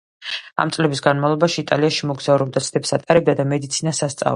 ამ წლების განმავლობაში იგი იტალიაში მოგზაურობდა, ცდებს ატარებდა და მედიცინას ასწავლიდა.